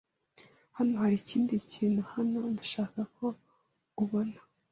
Hano hari ikindi kintu hano ndashaka ko ubona.